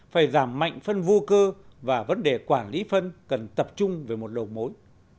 phải giảm mạnh phân vô cơ và vấn đề quản lý phân cần tập trung về một đầu mối